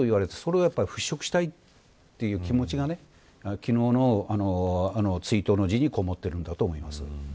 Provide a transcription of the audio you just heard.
それを払しょくしたいという気持ちが昨日のあの追悼の辞にこもっているんだと思います。